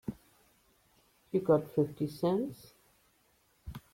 You got fifty cents?